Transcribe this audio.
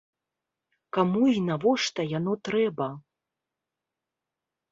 Каму і навошта яно трэба?